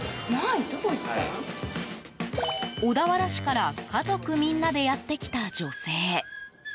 小田原市から家族みんなでやってきた女性。